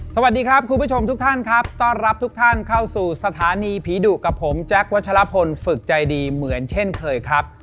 สวัสดีครับคุณผู้ชมทุกท่านครับต้อนรับทุกท่านเข้าสู่สถานีผีดุกับผมแจ๊ควัชลพลฝึกใจดีเหมือนเช่นเคยครับ